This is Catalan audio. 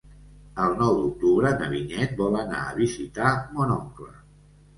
El nou d'octubre na Vinyet vol anar a visitar mon oncle.